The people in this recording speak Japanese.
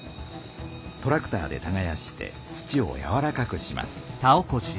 トラクターでたがやして土をやわらかくします。